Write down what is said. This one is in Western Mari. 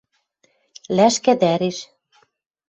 Лӓшкӓ тӓреш